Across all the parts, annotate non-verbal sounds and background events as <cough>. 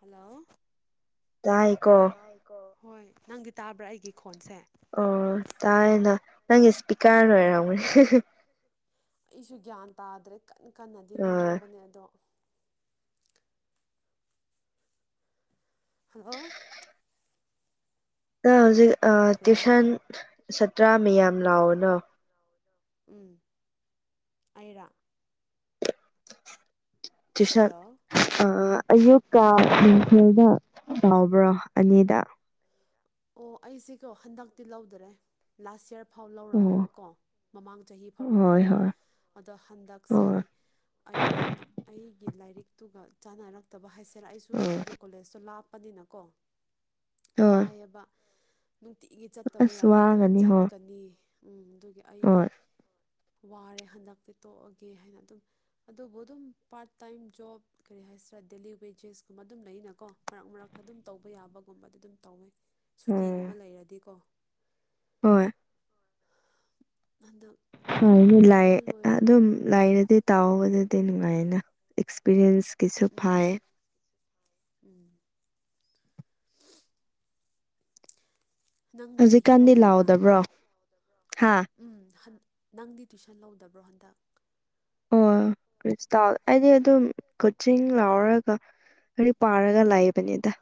Hello ꯇꯥꯏꯀꯣ ꯑꯣ ꯍꯣꯏ ꯅꯪꯗꯤ ꯇꯥꯕ꯭ꯔꯥ ꯑꯩꯒꯤ ꯈꯣꯟꯁꯦ ꯑꯣ ꯇꯥꯏꯅ ꯅꯪꯒꯤ ꯏꯁꯄꯤꯀꯥꯔ ꯂꯣꯏꯔꯝꯒꯅꯤ ꯑꯩꯁꯨ ꯒ꯭ꯌꯥꯟ ꯇꯥꯗ꯭ꯔꯦ ꯀꯟꯅ ꯀꯟꯅꯗꯤ ꯑꯥ ꯉꯥꯡꯕꯅꯦ ꯑꯗꯣ ꯍꯜꯂꯣ ꯅ ꯍꯧꯖꯤꯛ ꯍꯜꯂꯣ ꯇ꯭ꯨꯁꯟ ꯁꯠꯇ꯭ꯔꯥ ꯃꯌꯥꯝ ꯂꯥꯎꯑꯣꯅ ꯎꯝ ꯑꯩꯔ ꯇ꯭ꯨꯁꯟ ꯍꯜꯂꯣ ꯑꯌꯨꯛꯀ ꯅꯨꯡꯊꯤꯜꯗ ꯌꯥꯎꯕ꯭ꯔꯣ ꯑꯅꯤꯗ ꯑꯣ ꯑꯩꯁꯤꯀꯣ ꯍꯟꯗꯛꯇꯤ ꯂꯧꯗꯔꯦ ꯂꯥꯁ ꯏꯌꯔ ꯐꯥꯎ ꯑꯣ ꯂꯧꯔꯝꯃꯦꯕꯀꯣ ꯃꯃꯥꯡ ꯆꯍꯤ ꯐꯥꯎ ꯍꯣꯏ ꯂꯧꯋꯦ ꯍꯣꯏ ꯑꯗꯣ ꯍꯟꯗꯛꯁꯦ ꯍꯣꯏ ꯑꯩ ꯑꯩꯒꯤ ꯂꯥꯏꯔꯤꯛꯇꯨꯒ ꯆꯥꯟꯅꯔꯛꯇꯕ ꯍꯥꯏꯁꯔ ꯑꯩꯁꯨ ꯎꯝ ꯑꯩꯒꯤ ꯀꯣꯂꯦꯖꯇꯣ ꯂꯥꯞ ꯄꯅꯤꯅꯀꯣ ꯍꯣꯏ ꯋꯥꯏꯑꯦꯕ ꯅꯨꯡꯇꯤꯒꯤ ꯆꯠꯇꯕ ꯑꯁ ꯌꯥꯗꯕꯒꯤ ꯋꯥꯒꯅꯤ ꯍꯣꯏ ꯆꯠꯀꯅꯤ ꯎꯝ ꯑꯗꯨꯒꯤ ꯑꯩ ꯍꯣꯏ ꯋꯥꯔꯦ ꯍꯟꯗꯛꯇꯤ ꯇꯣꯛꯑꯒꯦ ꯍꯥꯏꯅ ꯑꯗꯨꯝ ꯑꯗꯨꯕꯨ ꯑꯗꯨꯝ ꯄꯥꯔꯠ ꯇꯥꯏꯝ ꯖꯣꯕ ꯀꯔꯤ ꯍꯥꯏꯁꯤꯔꯥ ꯗꯦꯂꯤ ꯋꯦꯖꯦꯁꯀꯨꯝꯕ ꯑꯗꯨꯝ ꯂꯩꯅꯀꯣ ꯃꯔꯛ ꯃꯔꯛꯇ ꯑꯗꯨꯝ ꯇꯧꯕ ꯌꯥꯕꯒꯨꯝꯕꯗ ꯑꯗꯨꯝ ꯇꯧꯋꯦ ꯁꯨꯇꯤꯒꯨꯝꯕ ꯎꯝ ꯂꯩꯔꯗꯤꯀꯣ ꯍꯣꯏ ꯍꯟꯗꯛ ꯍ ꯂꯥꯏꯔꯤꯛ ꯂꯥꯏ ꯇꯝꯕ ꯂꯣꯏꯔꯒ ꯑꯗꯨꯝ ꯑꯣꯏꯅ ꯂꯥꯏꯅꯗꯤ ꯇꯥꯎꯕꯗꯗꯤ ꯅꯨꯡꯉꯥꯏꯌꯦꯅ ꯑꯦꯛꯁꯄꯤꯔ꯭ꯌꯦꯟꯁꯀꯤꯁꯨ ꯎꯝ ꯐꯥꯏ ꯎꯝ ꯅꯪꯗꯤ ꯍꯧꯖꯤꯛꯀꯥꯟꯗꯤ ꯂꯧꯗꯕ꯭ꯔꯥ ꯂꯥꯎꯗꯕ꯭ꯔꯣ ꯍꯥ ꯎꯝ ꯅꯪꯗꯤ ꯇꯨꯏꯁꯟ ꯂꯧꯗꯕ꯭ꯔꯣ ꯍꯟꯗꯛ ꯑꯣꯔꯤꯁꯇꯥ ꯑꯩꯗꯤ ꯑꯗꯨꯝ ꯀꯣꯆꯤꯡ ꯂꯥꯎꯔꯒ ꯂꯔꯤꯛ ꯄꯥꯔꯒ ꯂꯩꯕꯅꯤꯗ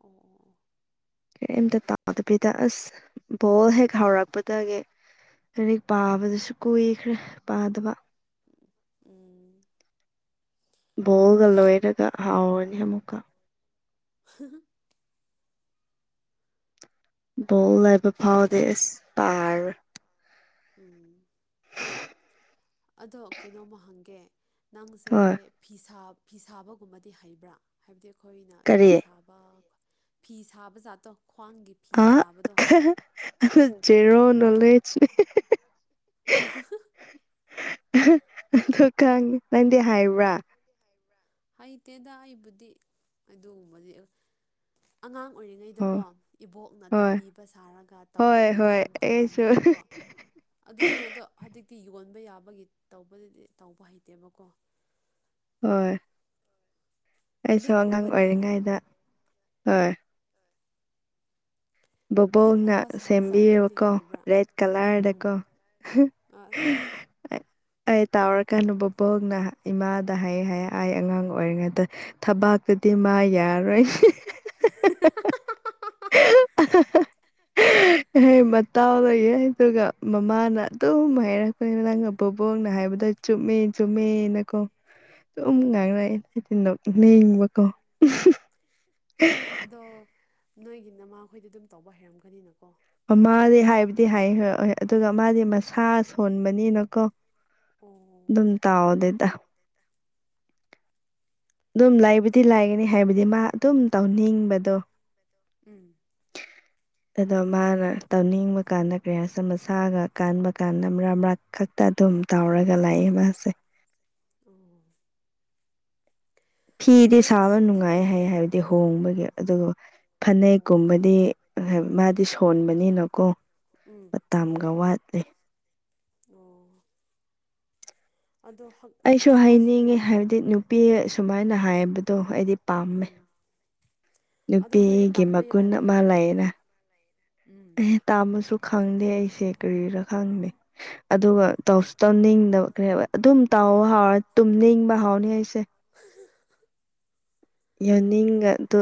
ꯑꯣ ꯑꯣ ꯑꯣ ꯀꯔꯤꯝꯇ ꯇꯥꯎꯗꯕꯤꯗ ꯑꯁ ꯕꯣꯜ ꯍꯦꯛ ꯍꯥꯎꯔꯛꯄꯒꯦ ꯂꯔꯤꯛ ꯄꯥꯕꯗꯁꯨ ꯀꯨꯏꯈ꯭ꯔꯦ ꯄꯥꯗꯕ ꯎꯝ ꯕꯣꯜꯒ ꯂꯣꯏꯔꯒ ꯍꯥꯎꯔꯅꯤ ꯑꯃꯨꯛꯀ ꯍ ꯕꯣ ꯂ ꯎꯝ ꯑꯗꯣ ꯀꯩꯅꯣꯝꯃ ꯍꯪꯒꯦ ꯅꯪꯁꯦ ꯍꯣꯏ ꯐꯤꯁꯥ ꯐꯤ ꯁꯥꯕꯒꯨꯝꯕꯗꯤ ꯍꯩꯕ꯭ꯔꯥ ꯍꯥꯏꯕꯗꯤ ꯑꯩꯈꯣꯏꯅ ꯀꯔꯤ ꯐꯤ ꯁꯥꯕ ꯐꯤ ꯁꯥꯕꯖꯥꯇꯣ ꯈ꯭ꯋꯥꯡꯒꯤ ꯐꯤ ꯑ ꯁꯥꯕꯗꯣ ꯖꯦꯔꯣ ꯅꯣꯂꯦꯖꯅꯦ ꯖꯦꯔꯣ ꯅꯣꯂꯦꯖ ꯑ ꯈꯪ ꯅꯪꯗꯤ ꯍꯥꯏꯕ꯭ꯔꯥ ꯗꯤ ꯍꯩꯕ꯭ꯔ ꯍꯩꯇꯦꯗ ꯑꯩꯕꯨꯗꯤ ꯑꯗꯨꯒꯨꯝꯕꯗꯤ ꯑꯉꯥꯡ ꯑꯣ ꯑꯣꯏꯔꯤꯉꯩꯗꯀꯣ ꯏꯕꯣꯛꯅ ꯍꯣꯏ ꯇꯝꯕꯤꯕ ꯁꯥꯔꯒ ꯍꯣꯏ ꯇꯧꯕꯕꯨꯗꯤ ꯍꯣꯏ ꯌꯥꯝ ꯑꯩꯁꯨ ꯇꯧꯔꯝꯃꯦꯕꯀꯣ <unintelligible> ꯑꯗꯨꯅꯦ ꯑꯗꯣ ꯍꯧꯖꯤꯛꯇꯤ ꯌꯣꯟꯕ ꯌꯥꯕꯒꯤ ꯇꯧꯕꯗꯗꯤ ꯇꯧꯕ ꯍꯩꯇꯦꯕꯀꯣ ꯍꯣꯏ ꯑꯩꯁꯨ ꯑꯉꯥꯡ ꯂꯤꯛꯀꯨꯝꯕꯗꯤ ꯑꯣꯏꯔꯤꯉꯩꯗ ꯍꯣꯏ ꯕꯣꯕꯣꯛꯅ ꯂꯤꯛꯀꯨꯝꯕ ꯁꯥꯕ ꯖꯥꯠꯇꯨꯗꯤ ꯁꯦꯝꯕꯤꯌꯦꯕꯀꯣ ꯍꯩꯕ꯭ꯔꯥ ꯔꯦꯗ ꯀꯂ꯭ꯔꯗ ꯀꯣ ꯎꯝ ꯑꯁ <unintelligible> ꯑꯩ ꯇꯥꯎꯔꯀꯥꯟꯗ ꯕꯕꯣꯛꯅ ꯏꯃꯥꯗ ꯍꯥꯏꯌꯦ ꯍꯥꯏ ꯑꯩ ꯑꯉꯥꯡ ꯑꯣꯏꯔꯤꯉꯩꯗ ꯊꯕꯥꯛꯇꯗꯤ ꯃꯥ ꯌꯥꯔꯣꯏ ꯑ ꯍꯦ ꯃꯇꯥꯎ ꯂꯩꯌꯦ ꯑꯗꯨꯒ ꯃꯃꯥꯅ ꯑꯗꯨꯝ ꯍꯥꯏꯔꯛꯄꯅꯤ ꯅꯪꯅ ꯕꯕꯣꯛꯅ ꯍꯥꯏꯕꯗ ꯆꯨꯝꯃꯦ ꯆꯨꯝꯃꯦꯅꯀꯣ ꯗꯨꯝ ꯎꯝ ꯉꯥꯡꯅꯤ ꯅꯣꯛꯅꯤꯡꯕꯀꯣ ꯑꯗꯣ ꯅꯣꯏꯒꯤ ꯅꯃꯈꯣꯏꯗꯤ ꯑꯗꯨꯝ ꯇꯧꯕ ꯍꯩꯔꯝꯒꯅꯤꯅꯀꯣ ꯃꯃꯥꯗꯤ ꯈ꯭ꯋꯥꯡꯒꯤ ꯍꯥꯏꯕꯗꯤ ꯐꯅꯦꯛ ꯍꯥꯏ ꯍꯣꯏ ꯑꯗꯨꯒ ꯃꯥꯗꯤ ꯃꯁꯥ ꯁꯣꯟꯕꯅꯤꯅꯀꯣ ꯑꯣ ꯗꯨꯝ ꯇꯥꯎꯗꯦꯗ ꯑꯗꯨꯝ ꯂꯩꯕꯨꯗꯤ ꯂꯥꯏꯒꯅꯤ ꯍꯥꯏꯕꯗꯤ ꯃꯥ ꯑꯗꯨꯝ ꯇꯧꯅꯤꯡꯕꯗꯣ ꯎꯝ <inaudible> ꯑꯗꯣ ꯃꯥꯅ ꯇꯧꯅꯤꯡꯕ ꯀꯥꯟꯗ ꯀꯌꯥꯁꯝ ꯃꯁꯥꯒ ꯀꯥꯟꯕ ꯀꯥꯟꯗ ꯃꯔꯛ ꯃꯔꯛ ꯈꯛꯇ ꯑꯗꯨꯝ ꯇꯥꯎꯔꯒ ꯂꯥꯏꯌꯦ ꯃꯥꯁꯦ ꯎꯝ <unintelligible> ꯐꯤꯗꯤ ꯃꯣꯏ ꯁꯥꯕ ꯑꯁꯤ ꯅꯨꯡꯉꯥꯏ ꯍꯥꯏꯌꯦ ꯍꯥꯏꯕꯗꯤ ꯍꯣꯡꯕꯒꯤ ꯑꯗꯨꯒ ꯐꯅꯦꯛꯀꯨꯝꯕꯗꯤ ꯃꯥꯗꯤ ꯁꯣꯟꯕꯅꯤꯅꯀꯣ ꯎꯝ ꯇꯥꯝꯒ ꯋꯥꯠꯂꯤ ꯑꯣ ꯑꯗꯣ ꯍꯛ ꯑꯩꯁꯨ ꯍꯥꯏꯅꯤꯡꯉꯤ ꯍꯥꯏꯕꯗꯤ ꯅꯨꯄꯤ ꯁꯨꯃꯥꯏꯅ ꯍꯥꯏꯕꯗꯣ ꯑꯩꯗꯤ ꯎꯝ ꯄꯥꯝꯃꯦ꯫ ꯑꯗꯣ ꯅꯣꯏꯗꯤ ꯅꯨꯄꯤꯒꯤ ꯇꯝꯕ ꯃꯒꯨꯟ ꯌꯥꯔꯦ ꯑꯃ ꯀꯩꯅꯣ ꯂꯩꯔꯦ ꯎꯝ ꯑꯦ ꯇꯥꯝꯃꯁꯨ ꯈꯪꯗꯦ ꯑꯩꯁꯦ ꯀꯔꯤꯔ ꯈꯪꯗꯦ ꯑꯗꯨꯒ ꯇꯧꯁꯨ ꯇꯧꯅꯤꯡꯗꯕ ꯑꯗꯨꯝ ꯇꯥꯎ ꯍꯥꯎꯔ ꯇꯨꯝꯅꯤꯡꯕ ꯍꯥꯎꯅꯤ ꯑꯩꯁꯦ ꯌꯣꯟꯅꯤꯡꯒ ꯑꯗꯨ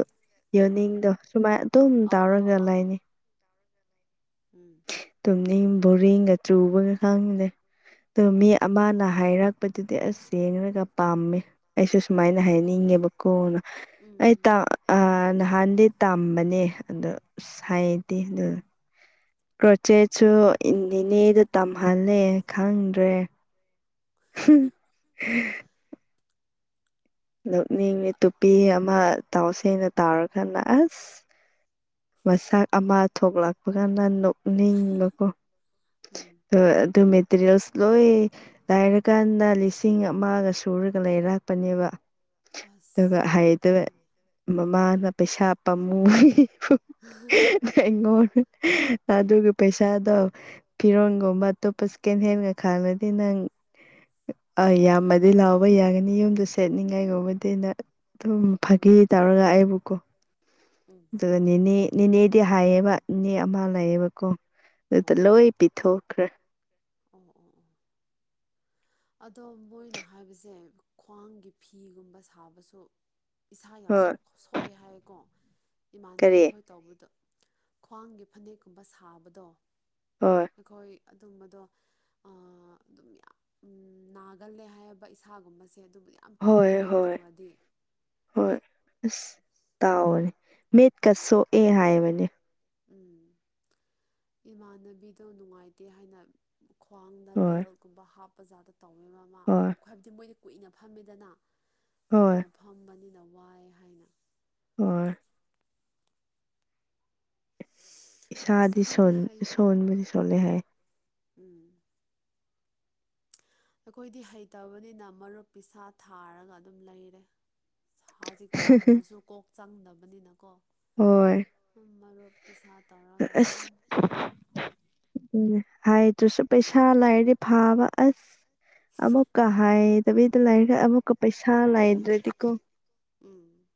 ꯌꯣꯟꯅꯤꯡꯗꯣ ꯁꯨꯃꯥꯏ ꯑꯗꯨꯝ ꯑꯥ ꯑꯥ ꯇꯧꯔꯒ ꯑꯥ ꯂꯩꯅꯤ꯫ ꯎꯝ ꯇꯨꯝꯅꯤꯡ ꯕꯣꯔꯤꯡꯒ ꯆꯨꯕꯒ ꯈꯪꯗꯦ꯫ ꯑꯥ ꯃꯤ ꯑꯃꯅ ꯍꯥꯏꯔꯛꯄꯗꯨꯗꯤ ꯑꯁ ꯌꯦꯡꯂꯉꯒ ꯄꯥꯝꯃꯦ ꯑꯩꯁꯨ ꯁꯨꯃꯥꯏꯅ ꯍꯥꯏꯅꯤꯡꯉꯦꯕꯀꯣꯅ ꯑꯩ ꯎꯝ ꯑꯥ ꯅꯍꯥꯟꯗꯤ ꯇꯝꯕꯅꯦ ꯑꯗꯣ ꯑꯁ ꯍꯩꯇꯦ ꯑꯗꯨ ꯀ꯭ꯔꯣꯆꯦꯠꯁꯨ ꯏꯟ ꯅꯤꯅꯦꯗ ꯇꯝꯍꯜꯂꯦ ꯈꯪꯗ꯭ꯔꯦ꯫ ꯎꯝ <unintelligible> ꯅꯣꯀꯅꯤꯡꯑ ꯇꯨꯄꯤ ꯑꯃ ꯇꯥꯎꯁꯦꯡꯅ ꯇꯥꯎꯔꯀꯥꯟꯗ ꯑꯁ ꯃꯁꯥꯛ ꯑꯃ ꯊꯣꯛꯂꯛꯄ ꯀꯅ ꯅꯣꯛꯅꯤꯡꯕꯀꯣ꯫ ꯎꯝ ꯑꯗꯨ ꯃꯦꯇꯦꯔꯤꯌꯦꯜꯁ ꯂꯣꯏ ꯂꯥꯏꯔꯀꯥꯟꯗ ꯂꯤꯁꯤꯡ ꯑꯃꯒ ꯁꯨꯔꯒ ꯂꯩꯔꯥꯛꯄꯅꯦꯕ꯫ ꯑꯗꯨꯒ ꯑꯁ ꯍꯩꯇꯕ ꯌꯥꯝꯃꯤꯅꯦ ꯃꯃꯥꯅ ꯄꯩꯁꯥ ꯄꯥꯝꯃꯨꯔꯤ꯫ ꯑꯩꯉꯣꯟ ꯑꯗꯨꯒ ꯄꯩꯁꯥꯗꯣ ꯐꯤꯔꯣꯟꯒꯨꯝꯕ ꯑꯇꯣꯞꯄ ꯁꯀꯦꯟ ꯍꯦꯟꯒ ꯈꯥꯜꯗꯤ ꯅꯪ ꯑ ꯌꯥꯝꯃꯗꯤ ꯂꯥꯎꯕ ꯌꯥꯒꯅꯤ ꯌꯨꯝꯗ ꯁꯦꯠꯅꯤꯡꯉꯥꯏꯒꯨꯝꯕꯗꯤꯅ ꯑꯗꯨꯝ ꯎꯝ ꯐꯥꯒꯤ ꯇꯧꯔꯒ ꯑꯩꯕꯨꯀꯣ ꯎꯝ ꯑꯗꯨ꫰ꯅꯤꯅꯦ ꯅꯤꯅꯦꯗꯤ ꯍꯥꯏꯌꯦꯕ ꯅꯦ ꯑꯃ ꯂꯩꯌꯦꯕꯀꯣ ꯑꯗꯨꯗ ꯑꯣ ꯂꯣꯏ ꯄꯤꯊꯣꯛꯈ꯭ꯔꯦ ꯑꯣ ꯑꯣ ꯑꯣ ꯑꯗꯣ ꯃꯣꯏꯅ ꯍꯥꯏꯕꯁꯦ ꯈ꯭ꯋꯥꯡꯒꯤ ꯐꯤꯒꯨꯝꯕ ꯁꯥꯕꯁꯨ ꯏꯁꯥ ꯌꯥꯝ ꯍꯣꯏ ꯁꯣꯛ ꯁꯣꯛꯑꯦ ꯍꯥꯏꯌꯦꯀꯣ ꯏꯃꯥꯟꯅꯕꯤ ꯀꯔꯤ ꯈꯣꯏ ꯇꯥꯑꯣꯕꯗꯣ ꯈ꯭ꯋꯥꯡꯒꯤ ꯐꯅꯦꯛꯀꯨꯝꯕ ꯁꯥꯕꯗꯣ ꯍꯣꯏ ꯑꯩꯈꯣꯏ ꯑꯗꯨꯝꯕꯗꯣ ꯑꯥ ꯑꯗꯨꯝ ꯌꯥꯝ ꯎꯝ ꯅꯥꯒꯜꯂꯦ ꯍꯥꯏꯌꯦꯕ ꯏꯁꯥꯒꯨꯝꯕꯁꯦ ꯑꯗꯨꯕꯨ ꯌꯥꯝ ꯀꯣꯏ ꯍꯣꯏ ꯇꯣꯏꯅ ꯍꯣꯏ ꯇꯧꯔꯗꯤ ꯍꯣꯏ ꯑꯁ ꯇꯥꯎꯑꯣꯅꯦ ꯃꯤꯠꯀ ꯁꯣꯛꯑꯦ ꯍꯥꯏꯕꯅꯦ꯫ ꯎꯝ ꯏꯃꯥꯟꯅꯕꯤꯗꯣ ꯅꯨꯡꯉꯥꯏꯇꯦ ꯍꯥꯏꯅ ꯈ꯭ꯋꯥꯡꯗ ꯍꯣꯏ ꯕꯦꯜ ꯒꯨꯝꯕ ꯍꯥꯞꯄ ꯖꯥꯗꯣ ꯇꯧꯋꯦꯕ ꯃꯥ ꯍꯣꯏ ꯍꯥꯏꯕꯗꯤ ꯃꯣꯏꯗꯤ ꯀꯨꯏꯅ ꯐꯝꯃꯦꯗꯅ ꯍꯣꯏ ꯀꯨꯏꯅ ꯐꯝꯕꯅꯤꯅ ꯋꯥꯏ ꯍꯥꯏꯅ ꯍꯣꯏ ꯑꯁ ꯏꯁꯥꯗꯤ ꯑꯈꯣꯏꯗꯤ ꯁꯣꯟ ꯍꯩꯇꯦꯗ ꯁꯣꯟꯕꯨꯗꯤ ꯁꯣꯜꯂꯦ ꯍꯥꯏ ꯎꯝ ꯑꯈꯣꯏꯗꯤ ꯍꯩꯇꯕꯅꯤꯅ ꯃꯔꯨꯞ ꯄꯤꯁꯥ ꯊꯥꯔꯒ ꯑꯗꯨꯝ ꯂꯩꯔꯦ꯫ ꯍꯧꯖꯤꯛ ꯇꯝꯃꯁꯨ ꯀꯣꯛ ꯆꯪꯗꯕꯅꯤꯅꯀꯣ ꯍꯣꯏ ꯎꯝ ꯃꯔꯨꯞ ꯄꯤꯁꯥ ꯇꯧꯔꯒ ꯑꯗꯨꯝ ꯎꯝ ꯍꯥꯏꯗ꯭ꯔꯁꯨ ꯄꯩꯁꯥ ꯂꯩꯔꯗꯤ ꯐꯥꯕ ꯑꯁ ꯑꯃꯨꯛ ꯍꯥꯏꯗꯕꯤꯗ ꯂꯩꯔꯦ ꯑꯃꯨꯛꯀ ꯄꯩꯁꯥ ꯂꯩꯗꯔꯗꯤꯀꯣ꯫ ꯎꯝ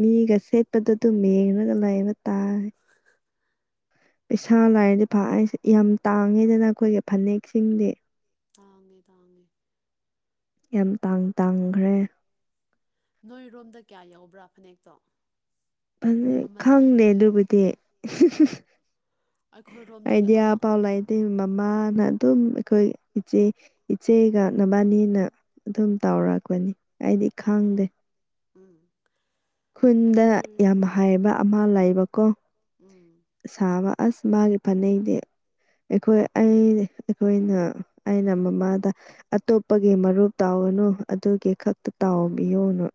ꯃꯤꯒ ꯁꯦꯠꯄꯗꯨ ꯑꯗꯨꯝ ꯌꯦꯡꯉꯒ ꯂꯩꯕ ꯇꯥꯔꯦ꯫ ꯏꯁꯥ ꯂꯥꯏꯔꯗꯤ ꯐꯦ ꯌꯥꯝ ꯇꯥꯡꯉꯤꯗꯅ ꯑꯩꯈꯣꯏꯒꯤ ꯐꯅꯦꯛꯁꯤꯡꯗꯤ꯫ ꯇꯥꯡꯉꯦ ꯇꯥꯡꯉꯦ꯫ ꯌꯥꯝ ꯇꯥꯡ ꯇꯥꯡꯈ꯭ꯔꯦ꯫ ꯅꯣꯏꯔꯣꯝꯗ ꯀꯌꯥ ꯌꯥꯎꯕ꯭ꯔꯥ ꯐꯅꯦꯛꯇꯣ꯫ ꯐꯅꯦꯛ ꯑꯃꯗ ꯈꯪꯗꯦ ꯑꯗꯨꯕꯨꯗꯤ꯫ ꯑꯩꯈꯣꯏꯔꯣꯝꯗꯗꯤ ꯑꯩꯗꯤ ꯑꯃ ꯑꯐꯥꯎ ꯂꯩ ꯗꯦ ꯃꯃꯥꯅ ꯑꯗꯨꯝ ꯑꯩꯈꯣꯏ ꯏꯆꯦ ꯏꯆꯦꯒꯥꯛ ꯅꯕꯥꯅꯤꯅ ꯑꯗꯨꯝ ꯇꯧꯔꯛꯄꯅꯤ ꯑꯩꯗꯤ ꯑꯥ ꯈꯪꯗꯦ꯫ ꯎꯝ ꯈꯨꯟꯗ ꯑꯩꯈꯣꯏ ꯌꯥꯝ ꯍꯥꯏꯕ ꯑꯃ ꯂꯩꯕꯀꯣ꯫ ꯎꯝ꯫ ꯁꯥꯕ ꯑꯁ ꯃꯥꯒꯤ ꯐꯥꯕꯦꯛꯗꯤ꯫ ꯑꯩꯈꯣꯏ ꯑꯩ ꯑꯩꯈꯣꯏꯅ ꯑꯩꯅ ꯃꯃꯥꯗ ꯑꯇꯣꯞꯄꯒꯤ ꯃꯔꯨꯞ ꯇꯥꯎꯒꯅꯨ ꯑꯗꯨꯒꯤ ꯈꯛꯇ ꯇꯥꯎꯕꯤꯌꯨꯅ꯫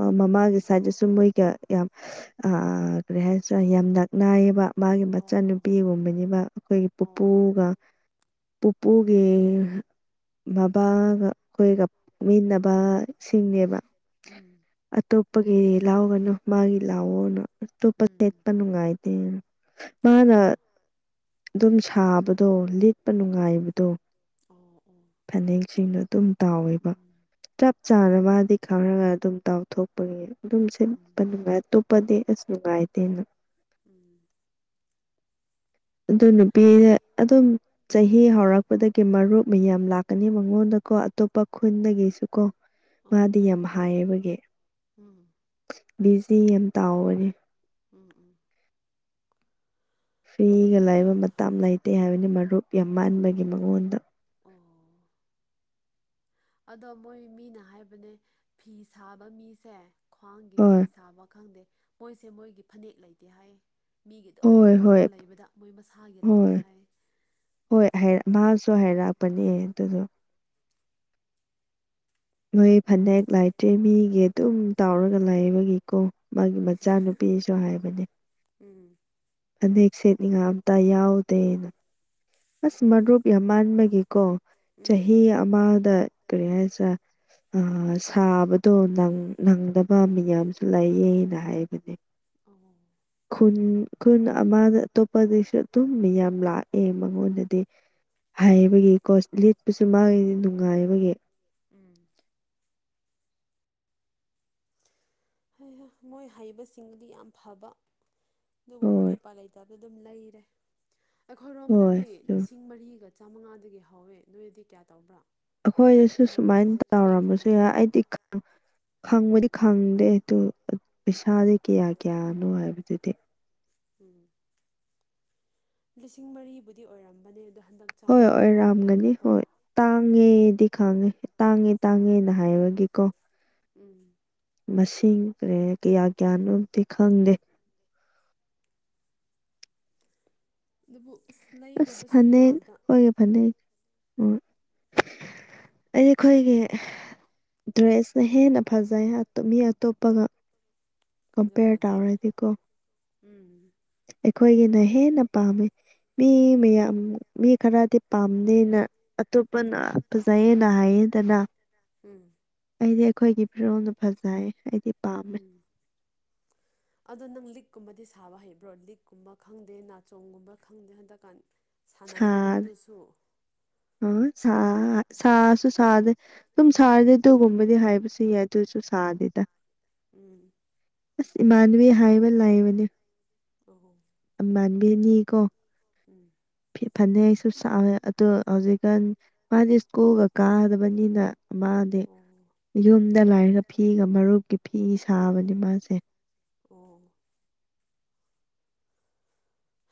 ꯑ ꯎꯝ ꯃꯃꯥꯒꯤ ꯁꯥꯏꯇꯁꯨ ꯃꯣꯏꯒ ꯌꯥꯝ ꯑ ꯀꯔꯤ ꯍꯥꯏꯁꯤꯔ ꯌꯥꯝ ꯅꯛꯅꯩꯌꯦ꯫ ꯃꯥꯒꯤ ꯑꯣ ꯃꯆꯟꯅꯨꯄꯤꯒꯨꯝꯕꯅꯤꯕ ꯑꯈꯣꯏꯒꯤ ꯑꯣ ꯄꯨꯄꯨꯒ꯫ ꯄꯨꯄꯨꯒꯤ꯫ ꯕꯥꯕꯥꯒ ꯑꯈꯣꯏꯒ ꯄꯣꯛꯃꯤꯟꯅꯕ ꯁꯤꯡꯅꯦꯕ꯫ ꯎꯝ ꯑꯇꯣꯞꯄꯒꯤ ꯂꯥꯎꯒꯅꯨ ꯃꯥꯒꯤ ꯂꯥꯎꯑꯣꯅ꯫ ꯑꯇꯣꯞꯄ ꯎꯝ ꯁꯦꯠꯄ ꯅꯨꯡꯉꯥꯏ ꯑꯣ꯫ ꯑꯗꯨꯝ ꯁꯥꯕꯗꯣ ꯂꯤꯠꯄ ꯎꯝ ꯅꯨꯡꯉꯥꯏꯕꯗꯣ꯫ ꯑꯣ ꯑꯣ ꯐꯅꯦꯛꯁꯤꯡꯗꯣ ꯑꯗꯨꯝ ꯇꯥꯎꯋꯦꯕ ꯎꯝ ꯆꯞ ꯆꯥꯅ ꯃꯥꯗꯤ ꯈꯪꯔꯒ ꯑꯗꯨꯝ ꯇꯧ ꯊꯣꯛꯄꯒꯤ ꯑꯗꯨꯝ ꯎꯝ ꯁꯤꯠꯄ ꯅꯨꯡꯉꯥꯏ ꯑꯇꯣꯞꯄꯗꯤ ꯑꯁ ꯅꯨꯡꯉꯥꯏꯇꯦꯅ꯫ ꯎꯝ꯫ ꯑꯗꯨ ꯅꯨꯄꯤ ꯑꯗꯨꯝ ꯆꯍꯤ ꯍꯧꯔꯛꯄꯗꯒꯤ ꯀꯤ ꯃꯔꯨꯞ ꯃꯌꯥꯝ ꯂꯥꯛꯀꯅꯤ ꯃꯉꯣꯟꯗꯀꯣ ꯑꯇꯣꯞꯄ ꯈꯨꯟꯗꯒꯤꯁꯨ ꯀꯣ꯫ ꯃꯥꯗꯤ ꯌꯥꯝ ꯍꯥꯏꯌꯦꯕꯒꯤ ꯍꯥꯏꯌꯦꯕ ꯍꯣꯏ ꯎꯝ ꯕꯤꯖꯤ ꯌꯥꯝ ꯇꯥꯎꯕꯅꯦ꯫ ꯎꯝ ꯎꯝ꯫ ꯐꯤꯒ ꯍꯩꯌꯥ ꯂꯥꯏꯕ ꯃꯇꯝ ꯂꯩꯇꯦ ꯍꯥꯏꯕꯅꯤ ꯃꯔꯨꯞ ꯌꯥꯝ ꯃꯥꯟꯕꯒꯤ ꯃꯉꯣꯟꯗ꯫ ꯑꯣ꯫ ꯑꯗꯣ ꯃꯣꯏ ꯃꯤꯅ ꯍꯥꯏꯕꯅꯦ ꯐꯤ ꯁꯥꯕ ꯃꯤꯁꯦ꯫ ꯈ꯭ꯋꯥꯡꯒꯤ ꯐꯤ ꯍꯣꯏ ꯁꯥꯕ ꯈꯪꯗꯦ ꯃꯣꯏꯁꯦ ꯃꯣꯏꯒꯤ ꯐꯅꯦꯛ ꯂꯩꯇꯦ ꯍꯥꯏꯌꯦ꯫ ꯃꯤꯒꯤ ꯑꯗꯨꯝ ꯍꯣꯏ ꯇꯧꯔꯒ ꯍꯣꯏ ꯂꯩꯕꯗ ꯃꯣꯏ ꯃꯁꯥꯒꯤ ꯂꯩꯇꯦ ꯍꯣꯏ ꯍꯥꯏ꯫ ꯍꯣꯏ ꯃꯥꯁꯨ ꯍꯥꯏꯔꯛꯄꯅꯦ ꯑꯗꯨꯗꯣ꯫ ꯅꯣꯏ ꯐꯅꯦꯛ ꯍꯦꯛ ꯂꯥꯏꯇ꯭ꯔꯦ ꯃꯤꯒꯤ ꯑꯗꯨꯝ ꯇꯥꯎꯔꯒ ꯂꯥꯏꯕꯒꯤꯀꯣ꯫ ꯃꯥꯒꯤ ꯏꯆꯥꯅꯨꯄꯤꯁꯨ ꯃꯆꯥꯅꯨꯄꯤꯁꯨ ꯍꯥꯏꯕꯅꯤ꯫ ꯎꯝ ꯐꯅꯦꯛ ꯁꯦꯠ ꯅꯤꯡꯉꯥꯏ ꯑꯃꯇ ꯌꯥꯎꯗꯦꯅ꯫ ꯑꯁ ꯃꯔꯨꯞ ꯌꯥꯝ ꯃꯥꯟꯕꯒꯤꯀꯣ ꯎꯝ ꯆꯍꯤ ꯑꯃꯗ ꯀꯔꯤ ꯍꯥꯏꯁꯤꯔ ꯑꯥ꯫ ꯁꯥꯕꯗꯣ ꯅꯪꯗꯕ ꯃꯤꯌꯥꯝꯁꯨ ꯂꯩꯌꯦꯅ ꯍꯥꯏꯕꯅꯦ꫰꫰ ꯑꯣ꯫ ꯈꯨꯟ ꯈꯨꯟ ꯑꯃꯗ ꯑꯇꯣꯞꯄꯗꯁꯨ ꯑꯗꯨꯝ ꯃꯤ ꯌꯥꯝ ꯂꯥꯛꯑꯦ꯫ ꯑꯩꯉꯣꯟꯗꯗꯤ ꯍꯥꯏꯕꯒꯤ ꯀꯣ ꯂꯤꯠꯄꯁꯨ ꯃꯥꯒꯤ ꯅꯨꯡꯉꯥꯏꯕꯒꯤ꯫ ꯎꯝ꯫ ꯃꯣꯏ ꯍꯩꯕꯁꯤꯡꯗꯨꯗꯤ ꯌꯥꯝ ꯐꯕ ꯑꯗꯨꯕꯨ ꯑꯩꯈꯗꯤ ꯍꯣꯏ ꯎꯄꯥꯏ ꯂꯩꯇꯕ ꯑꯗꯨ ꯑꯗꯨꯝ ꯂꯩꯔꯦ ꯍꯣꯏ ꯑꯩꯈꯣꯏꯔꯣꯝꯗꯗꯤ꯫ ꯂꯤꯁꯤꯡ ꯃꯔꯤꯒ ꯆꯥꯃꯉꯥꯗꯒꯤ ꯍꯧꯋꯦ ꯅꯣꯏꯗꯗꯤ ꯀꯌꯥ ꯇꯧꯕ꯭ꯔꯥ꯫ ꯑꯩꯈꯣꯏꯗꯁꯨ ꯁꯨꯃꯥꯏꯅ ꯇꯧꯔꯝꯕꯁꯨ ꯌꯥꯏ ꯑꯩꯗꯤ ꯈꯪꯕꯗꯤ ꯈꯪꯗꯦ ꯑꯗꯨ ꯄꯩꯁꯥꯁꯦ ꯀꯌꯥ ꯀꯌꯥꯅꯣ ꯍꯥꯏꯕꯗꯨꯗꯤ꯫ ꯎꯝ ꯂꯤꯁꯤꯡ ꯃꯔꯤꯕꯨꯗꯤ ꯑꯣꯏꯔꯝꯕꯅꯦ ꯑꯗꯣ ꯍꯟꯗꯛ ꯍꯣꯏ ꯆꯥꯃꯉꯥ ꯍꯥꯞꯄꯦ ꯍꯣꯏꯔꯥꯝꯒꯅꯤ ꯍꯥꯏꯅꯀꯣ ꯍꯣꯏ ꯇꯥꯡꯉꯦꯗꯤ ꯈꯥꯡꯉꯦ ꯇꯥꯡꯉꯦ ꯇꯥꯡꯉꯦꯅ ꯍꯥꯏꯕꯒꯤꯀꯣ ꯎꯝ ꯃꯁꯤꯡ ꯀꯔꯤ ꯀꯌꯥ ꯀꯌꯥꯅꯣꯗꯤ ꯈꯪꯗꯦ ꯑꯗꯨꯕꯨ ꯑꯁ ꯑꯁ ꯂꯩꯗꯕꯁꯨ ꯐꯅꯦꯛ ꯌꯥꯗ ꯑꯩꯈꯣꯏꯒꯤ ꯐꯅꯦꯛ ꯑꯣ ꯑꯩ ꯑꯩꯈꯣꯏꯒꯤ ꯗ꯭ꯔꯦꯁꯅ ꯍꯦꯟꯅ ꯐꯖꯩ ꯃꯤ ꯑꯇꯣꯞꯄꯒ ꯀꯝꯄꯦꯌꯔ ꯑꯗꯨꯕꯨꯗꯤ ꯇꯥꯧꯔꯗꯤꯀꯣ ꯎꯝ ꯑꯩꯈꯣꯏꯒꯤꯅ ꯍꯦꯟꯅ ꯄꯥꯝꯃꯤ ꯃꯤ ꯃꯌꯥꯝ ꯃꯤ ꯈꯔꯗꯤ ꯄꯥꯝꯅꯦꯅ ꯑꯇꯣꯞꯄꯅ ꯐꯖꯩꯌꯦꯦꯅ ꯍꯥꯏꯌꯦꯗꯅ ꯎꯝ ꯑꯩꯗꯤ ꯑꯩꯈꯣꯏꯒꯤ ꯐꯤꯔꯣꯜꯗ ꯐꯖꯩ ꯑꯩꯗꯤ ꯄꯥꯝꯃꯦ ꯎꯝ <inaudible> ꯑꯗꯣ ꯅꯪ ꯂꯤꯛꯀꯨꯝꯕꯗꯤ ꯁꯥꯕ ꯍꯩꯕ꯭ꯔꯣ ꯂꯤꯛꯀꯨꯝꯕ ꯈꯪꯗꯦ ꯅꯥꯆꯣꯡꯒꯨꯝꯕ ꯈꯪꯗꯦ ꯍꯟꯗꯛꯀꯥꯟ ꯁꯥꯟꯅꯩꯗꯅ ꯑꯗꯨꯁꯨ ꯑ ꯁꯥꯁꯨ ꯁꯥꯗꯦ ꯁꯨꯝ ꯁꯥꯗꯦ ꯑꯗꯨꯒꯨꯝꯕꯗꯤ ꯍꯥꯏꯕꯁꯨ ꯌꯥꯏꯗ ꯑꯗꯨꯁꯨ ꯁꯥꯗꯗ ꯎꯝ ꯑꯁ ꯏꯃꯥꯟꯅꯕꯤ ꯍꯥꯏꯕ ꯏꯃꯥꯟꯅꯕꯤ ꯍꯥꯏꯕ ꯂꯥꯢ ꯍꯣ ꯍꯣ ꯃꯥꯟꯕꯤꯅꯤꯀꯣ ꯎꯝ ꯐꯤ ꯐꯅꯦꯛꯁꯨ ꯁꯥꯢꯌꯦ ꯑꯗꯣ ꯍꯧꯖꯤꯛꯀꯥꯟ ꯃꯥꯗꯤ ꯁ꯭ꯀꯨꯜꯒ ꯀꯥꯒꯗꯕꯅꯤꯅ ꯃꯥꯗꯤ ꯑꯣ ꯌꯨꯝꯗ ꯂꯩꯔꯒ ꯐꯤꯒ ꯃꯔꯨꯞꯀꯤ ꯐꯤ ꯁꯥꯕꯅꯦ ꯃꯥꯁꯦ ꯑꯣ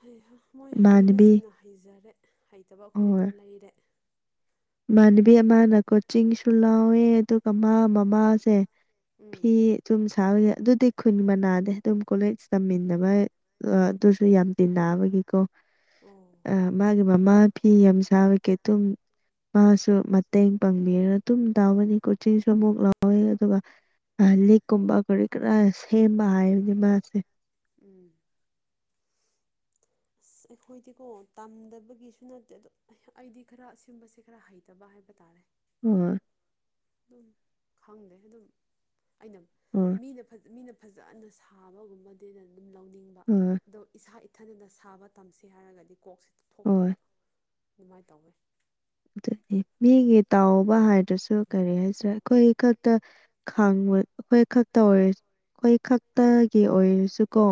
ꯍꯩꯍꯥ ꯃꯣꯏ ꯏꯃꯥꯟꯅꯕꯤ ꯍꯩꯕꯁꯤꯡꯅ ꯍꯩꯖꯔꯦ ꯍꯩꯇꯕ ꯑꯩꯈꯣꯏꯗ ꯍꯣꯏ ꯑꯗꯨꯝ ꯂꯩꯔꯦ ꯏꯃꯥꯟꯅꯕꯤ ꯑꯃꯅ ꯀꯣꯆꯤꯡꯁꯨ ꯂꯥꯎꯋꯦ ꯑꯗꯨꯒ ꯃꯥ ꯃꯃꯥꯁꯦ ꯎꯝ ꯐꯤ ꯁꯨꯝ ꯁꯥꯕ ꯌꯥꯏ ꯑꯗꯨꯗꯤ ꯈꯨꯟ ꯃꯅꯥꯗꯦ ꯑꯗꯨꯝ ꯀꯣꯂꯦꯖ ꯇꯝꯃꯤꯟꯅꯕ ꯗꯣ ꯑꯗꯨꯁꯨ ꯌꯥꯝ ꯇꯤꯟꯅꯕꯒꯤꯀꯣ ꯑꯣ ꯑ ꯃꯥꯒꯤ ꯃꯃꯥ ꯐꯤ ꯌꯥꯝ ꯁꯥꯥꯕ ꯀꯦꯇꯨꯝ ꯃꯥꯁꯨ ꯃꯇꯦꯡ ꯄꯥꯡꯕꯤꯔꯒ ꯑꯗꯨꯨꯝ ꯇꯧꯕꯅꯤ ꯀꯣꯆꯤꯡꯁꯨ ꯑꯃꯨꯛ ꯂꯧꯋꯦ ꯑꯗꯨꯒ ꯂꯤꯛꯀꯨꯝꯕ ꯀꯔꯤ ꯀꯔꯥ ꯁꯦꯝꯕ ꯍꯥꯏꯕꯅꯤ ꯃꯥꯁꯦ ꯎꯝ <inaudible> ꯑꯁ ꯑꯩꯈꯣꯏꯗꯤꯀꯣ ꯇꯝꯗꯕꯒꯤꯁꯨ ꯅꯠꯇꯦ ꯑꯗꯣ ꯑꯩꯗꯤ ꯈꯔ ꯑꯁꯤꯒꯨꯝꯕꯁꯦ ꯈꯔ ꯍꯩꯇꯕ ꯍꯥꯏꯕ ꯇꯥꯔꯦ ꯍꯣꯢ ꯑꯗꯨꯝ ꯈꯪꯗꯦ ꯑꯗꯨꯝ ꯑꯩꯅ ꯍꯣꯏ ꯃꯤꯅ ꯐꯖ ꯃꯤꯅ ꯐꯖꯅ ꯁꯥꯕꯒꯨꯝꯕꯗꯤꯗ ꯑꯗꯨꯝ ꯂꯧꯅꯤꯡꯕ ꯍꯣꯏ ꯑꯗꯣ ꯏꯁꯥ ꯏꯊꯟꯗꯇ ꯁꯥꯕ ꯇꯝꯁꯤ ꯍꯥꯏꯔꯒꯗꯤ ꯀꯣꯛꯁꯤ ꯍꯣꯏ ꯊꯣꯛꯇꯕ ꯑꯗꯨꯃꯥꯏꯅ ꯇꯧꯋꯦ ꯑꯗꯨꯅꯤ ꯃꯤꯒꯤ ꯇꯧꯕ ꯍꯥꯏꯗ꯭ꯔꯁꯨ ꯀꯔꯤ ꯍꯥꯏꯁꯤꯔ ꯑꯩꯈꯣꯏ ꯈꯛꯇ ꯈꯥꯡꯕ ꯑꯩꯈꯣꯏ ꯈꯛꯇ ꯑꯣꯏꯔ ꯑꯩꯈꯣꯏ ꯈꯛꯇꯒꯤ ꯑꯣꯏꯔꯁꯨ ꯀꯣ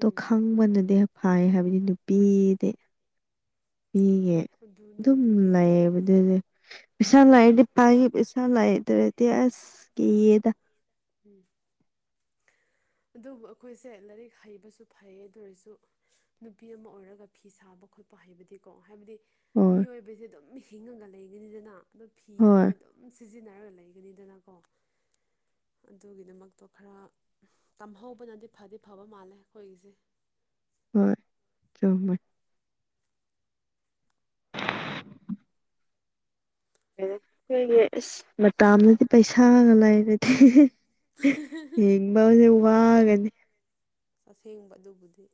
ꯇꯣ ꯎꯝ ꯈꯪꯕꯅꯗꯤ ꯐꯩ ꯍꯥꯏꯕꯗꯤ ꯅꯨꯄꯤꯗꯤ ꯄꯤꯒꯦ ꯑꯗꯨ ꯑꯗꯨꯝ ꯈꯪꯕꯅꯗꯤ ꯌꯥꯝ ꯑꯗꯨꯅꯦ ꯑꯗꯨꯅꯦ ꯂꯩꯑꯦꯕ ꯑꯗꯨꯗꯤ ꯄꯩꯁꯥ ꯎꯝ ꯂꯥꯛꯑꯦꯗꯤ ꯄꯥꯏ ꯄꯩꯁꯥ ꯂꯥꯛꯑꯦꯗꯤ ꯇꯦ ꯑꯁ ꯀꯤꯌꯦꯗ ꯎꯝ ꯑꯗꯨꯕꯨ ꯑꯈꯣꯏꯁꯦ ꯂꯥꯏꯔꯤꯛ ꯍꯩꯕꯁꯨ ꯐꯩꯌꯦ ꯑꯗꯨ ꯑꯣꯏꯔꯁꯨ ꯅꯨꯄꯤ ꯑꯃ ꯑꯣꯏꯔꯒ ꯐꯤ ꯁꯥꯕ ꯈꯣꯠꯄ ꯍꯥꯏꯕꯗꯤꯀꯣ ꯍꯥꯏꯕꯗꯤ ꯍꯣꯏ ꯃꯤꯑꯣꯏꯕꯁꯦ ꯑꯗꯨꯝ ꯍꯤꯡꯉꯒ ꯂꯩꯒꯅꯤꯗꯅ ꯑꯗꯨ ꯐꯤ ꯍꯥꯏꯁꯦ ꯍꯣꯏ ꯑꯗꯨꯝ ꯁꯤꯖꯤꯟꯅꯔꯒ ꯂꯩꯒꯅꯤꯗꯅꯀꯣ ꯑꯗꯨꯒꯤꯗꯃꯛꯇꯣ ꯈꯔ ꯇꯝꯍꯧꯕꯅꯗꯤ ꯐꯗꯤ ꯐꯕ ꯃꯥꯜꯂꯦ ꯑꯩꯈꯣꯏꯒꯤꯁꯦ ꯍꯣꯏ ꯆꯨꯝꯃꯦ ꯑꯩꯈꯣꯏꯒꯤ ꯃꯇꯥꯝꯅꯗꯤ ꯄꯩꯁꯥꯒ ꯂꯩꯥꯏꯔꯗꯤ ꯍꯤꯡꯕꯁꯦ ꯋꯥꯒꯅꯤ <inaudible> ꯑꯁꯦꯡꯕ ꯑꯗꯨꯕꯨꯗꯤ